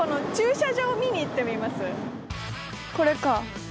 これか。